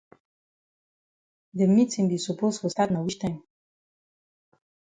De meetin be suppose for stat na wich time.